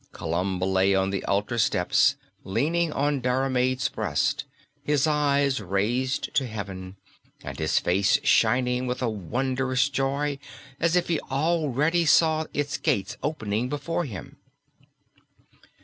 Columba lay on the altar steps leaning on Diarmaid's breast, his eyes raised to heaven, and his face shining with a wondrous joy as if he already saw its gates opening before him.